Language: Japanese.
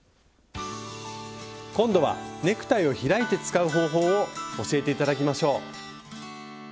今度はネクタイを開いて使う方法を教えて頂きましょう。